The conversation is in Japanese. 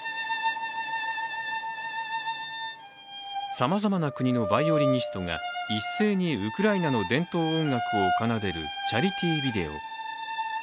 さまざまな国のバイオリニストが一斉にウクライナの伝統音楽を奏でるチャリティービデオ。